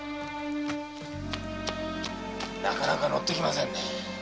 なかなか乗ってきませんね。